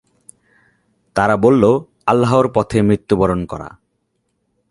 তারা বললো, "আল্লাহর পথে মৃত্যুবরণ করা"।